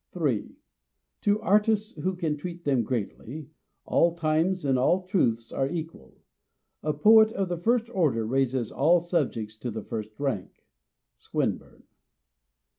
3. "To artists who can treat them greatly all times and all truths are equal A 238 MONOLOGUES poet of the first order raises all subjects to the first rank" (Swinburne).